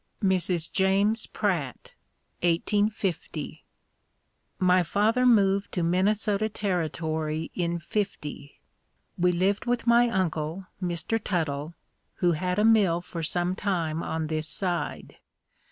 Mrs. James Pratt 1850. My father moved to Minnesota Territory in '50. We lived with my uncle, Mr. Tuttle, who had a mill for some time on this side.